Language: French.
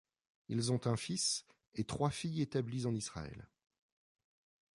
Ils ont un fils et trois filles établies en Israël.